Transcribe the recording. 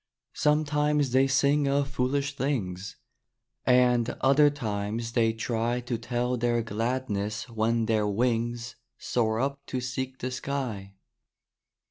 Sometimes they sing of foolish things, And other times they try To tell their gladness when their wings Soar up to seek the sky.